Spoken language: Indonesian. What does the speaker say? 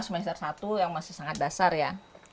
semester satu yang masih sangat dasar ya